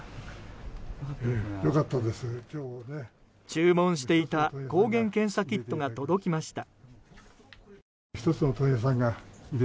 注文していた抗原検査キットが届きました。